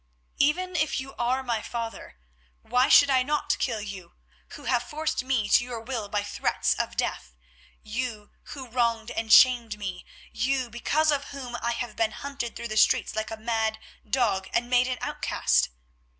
"Even if you are my father, why should I not kill you, who have forced me to your will by threats of death, you who wronged and shamed me, you because of whom I have been hunted through the streets like a mad dog, and made an outcast?"